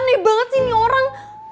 aneh banget sih ini orang